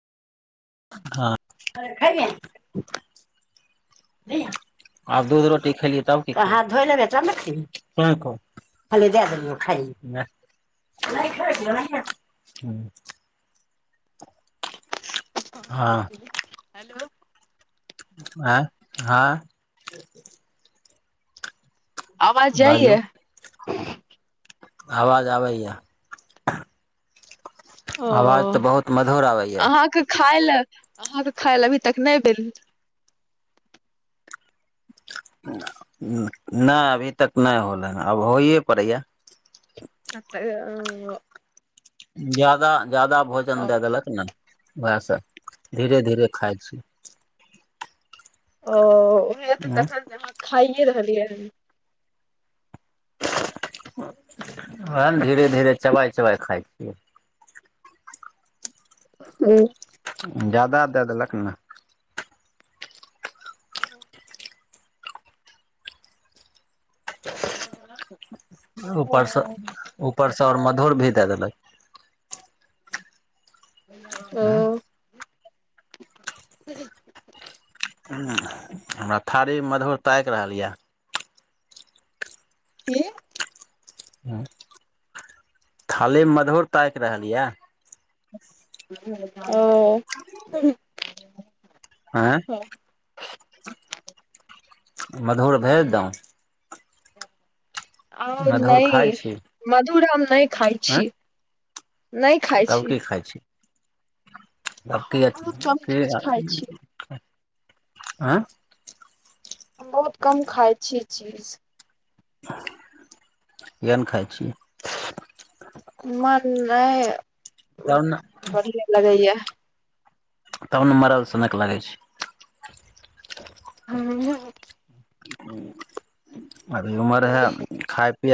हँ [unintelligible] [inaudible] आब दूध रोटी खेलियै तब की अहाँ धो लेबै च खी दए देलियै खइ ह [inaudible] हँ हेलो आँ हँ आवाज जाइए बाजू आवाज आबैया आवाज ओ तऽ बहुत मधुर आबैया अहाँके खाय ल अहाँके खााय ल अभी तक नहि भेल। नहि अभी तक नहि होलै अब होइए पड़ैया। आ, जदा जाददा भोजन दे देलक ने वएह, धीरे धीरे खाइ छी, आ उहे तखन न अहाँ खाइये रहलिये हूँ ओहा न धीरे धीरे चवाइ चवाइ खाइ छियै ह [inaudible] ज्यादा दए देलक ने ह [inaudible] [inaudible] ऊपरसँ ओ ऊपरसँ आओर मधुर भी दय देलक आँ ह [inaudible] ह हमरा थारी मधुर ताकि रहल यए के हँ खाली मधुर ताकि रहल यए ओ आँ ह [inaudible] मधुर भेज दहुँ ह [inaudible] ओ खाइ न छी मधुर हम खाय आँय छी नहि खाइ छी सब की हम बहुत कम चीज खाइ छी क [inaudible] आँ हम बहुत कम खाइ छी चीज केहन खाइ छीिय मन नहि उ तब ने बढ़िआ लगैय या तब ने मरल सँनक लागै छी हँ ह [unintelligible] अभी उमर हाय खाय पिय